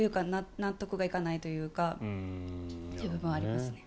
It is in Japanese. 納得がいかないというかという部分はありますね。